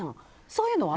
そういうのは？